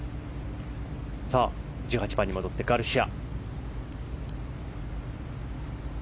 １８番に戻ってガルシア。